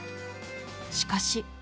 しかし。